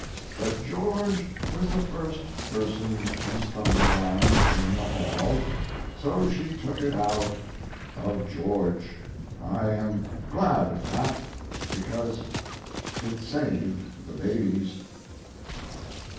But George was the first person she stumbled on in the hall, so she took it out of George. I am glad of that, because it saved the babies.